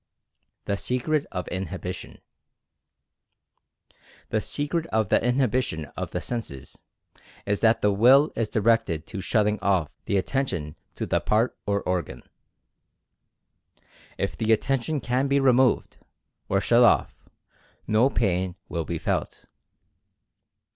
THE SECRET OF INHIBITION. The secret of the inhibition of the senses, is that the Will is directed to "shutting off" the attention to the part or organ. If the Attention can be removed, or shut off, no pain will be felt.